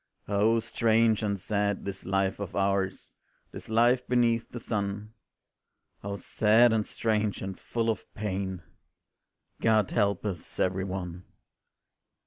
Oh strange and sad this life of ours, This life beneath the sun; O sad and strange and full of pain God help us, every one.